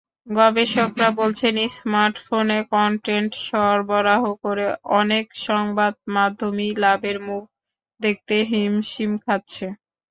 গবেষকেরা বলছেন, স্মার্টফোনে কনটেন্ট সরবরাহ করে অনেক সংবাদমাধ্যমই লাভের মুখ দেখতে হিমশিম খাচ্ছে।